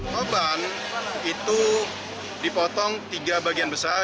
korban itu dipotong tiga bagian besar